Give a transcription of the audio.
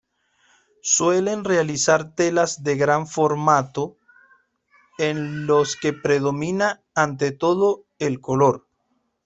Suelen realizar telas de gran formato en los que predomina, ante todo, el color.